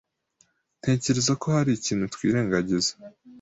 Ntekereza ko hari ikintu twirengagiza.